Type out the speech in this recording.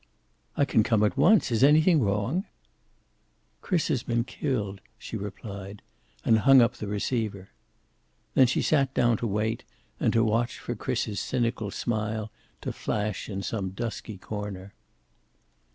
"I can come at once. Is anything wrong?" "Chris has been killed," she replied, and hung up the receiver. Then she sat down to wait, and to watch for Chris's cynical smile to flash in some dusky corner.